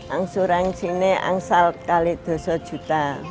asuransi ini angsal kali dosa juta